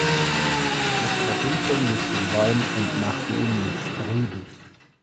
Es verdünnte nicht den Wein und machte ihn nicht trübe.